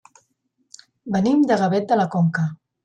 Venim de Gavet de la Conca.